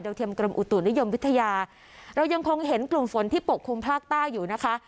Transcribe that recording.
เทียมกรมอุตุนิยมวิทยาเรายังคงเห็นกลุ่มฝนที่ปกคลุมภาคใต้อยู่นะคะ